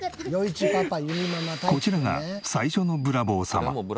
こちらが最初のブラボー様。